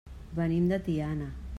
Venim de Tiana.